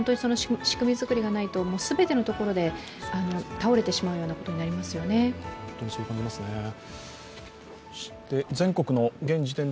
仕組み作りがないと全てのところで倒れてしまうようなことになりますよね。